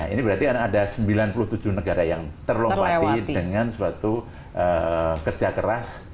ini berarti ada sembilan puluh tujuh negara yang terlompati dengan suatu kerja keras